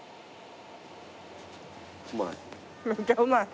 うまい？